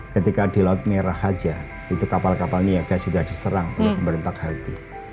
ketika di laut merah saja itu kapal kapal niaga sudah diserang oleh pemerintah haiti